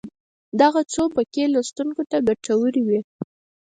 دغه څو ټکي لوستونکو ته ګټورې وي.